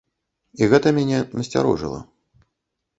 І гэта мяне насцярожыла.